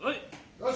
よし。